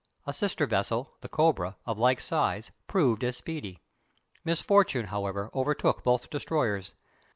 A sister vessel, the Cobra, of like size, proved as speedy. Misfortune, however, overtook both destroyers.